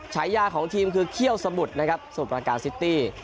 ฉายาของทีมคือเขี้ยวสมุทรนะครับสมุทรประการซิตี้